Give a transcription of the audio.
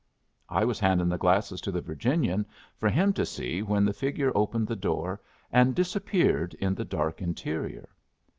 I was handing the glasses to the Virginian for him to see when the figure opened the door and disappeared in the dark interior.